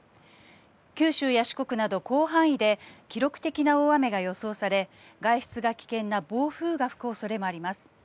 九州や四国など広範囲で記録的な大雨が予想され外出が危険な暴風が吹く恐れもあります。